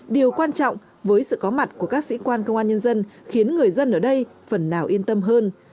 điều quan trọng với sự có mặt của các sĩ quan công an nhân dân khiến người dân ở đây phần nào yên tâm hơn